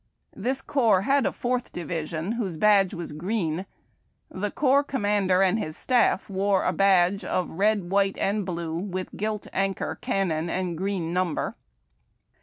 This corps had a fourth division, whose badge was green. The corps commander and his staff wore a badge " of red, white, and blue, with gilt anchor, cannon, and green number."